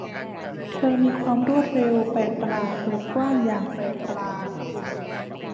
เธอมีความรวดเร็วแปลกประหลาดเปิดกว้างอย่างแปลกประหลาด